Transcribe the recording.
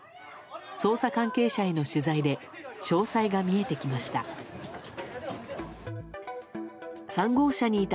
捜査関係者への取材で詳細が見えてきました。